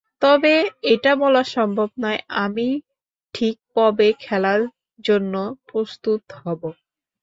তবে এটা বলা সম্ভব নয়, আমি ঠিক কবে খেলার জন্য প্রস্তুত হব।